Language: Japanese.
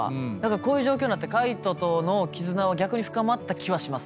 こういう状況になって海人との絆は逆に深まった気はします。